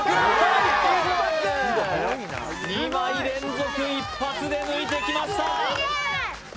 ２枚連続一発で抜いてきました。